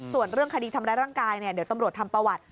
ส่วนเรื่องคดีทำร้ายร่างกายเดี๋ยวตำรวจทำประวัติ